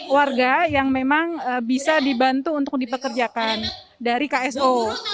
warga yang memang bisa dibantu untuk dipekerjakan dari kso